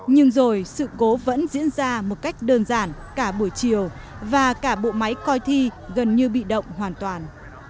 nhưng rồi sự cố vẫn diễn ra một cách đơn giản cả buổi chiều và cả bộ máy coi thi gần như bị động hoàn toàn